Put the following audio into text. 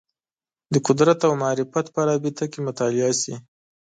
د قدرت او معرفت په رابطه کې مطالعه شي